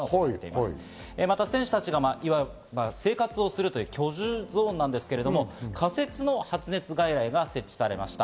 選手たちが生活をするという居住ゾーンなんですけど、仮設の発熱外来が設置されました。